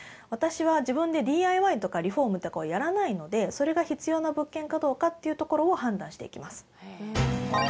私は自分でＤＩＹとかリフォームとかをやらないのでそれが必要な物件かどうかっていうところを判断していきます。